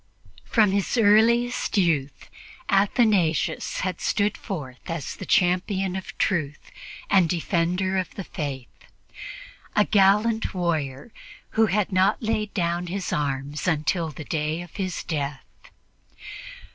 From his earliest youth Athanasius had stood forth as the champion of Truth and defender of the Faith a gallant warrior who had not laid down his arms until the day of his death.